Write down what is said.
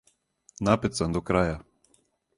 Напет сам до краја.